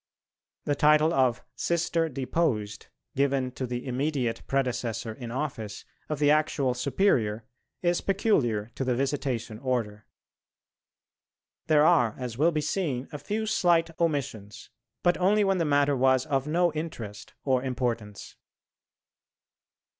The title of "Sister Deposed" given to the immediate predecessor in office of the actual Superior is peculiar to the Visitation Order. There are, as will be seen, a few slight omissions, but only when the matter was of no interest or importance.